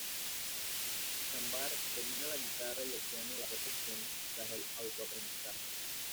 Izambard domina la guitarra y el piano a la perfección, tras el autoaprendizaje.